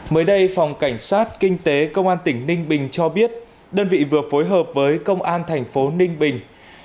mới đây phòng cảnh sát kinh tế công an tỉnh ninh bình cho biết đơn vị vừa phối hợp với công an thành phố ninh bình